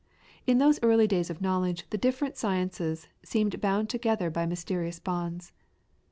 In those early days of knowledge the different sciences seemed bound together by mysterious bonds.